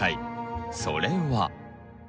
それは。